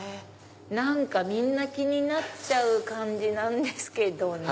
何かみんな気になっちゃう感じですけどね。